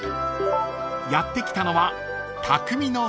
［やって来たのは］